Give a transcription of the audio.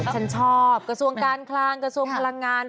ฉันชอบกระทรวงการคลังกระทรวงพลังงาน